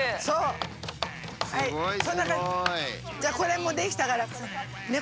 じゃあこれもうできたからねえ